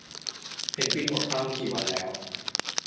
เพนกวินอดข้าวมากี่วันแล้ว